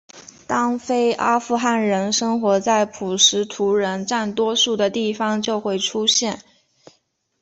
当非阿富汗人生活在普什图人占多数的地方就会出现。